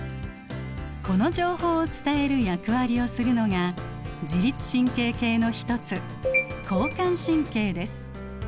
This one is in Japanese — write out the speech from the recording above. この情報を伝える役割をするのが自律神経系の一つ交感神経です。